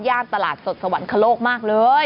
ย่านตลาดสดสวรรค์คลโลกมากเลย